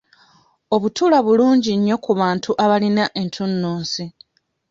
Obutula bulungi nnyo ku bantu abalina entunnunsi.